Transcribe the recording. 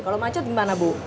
kalau macet gimana bu